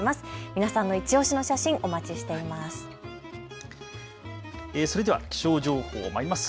皆さんのいちオシの写真、お待ちしています。